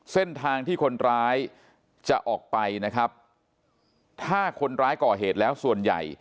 เส้นทางที่คนร้ายจะออกไปนะครับถ้าคนร้ายก่อเหตุแล้วส่วนใหญ่